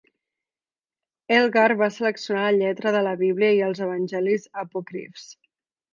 Elgar va seleccionar la lletra de la Bíblia i els Evangelis Apòcrifs.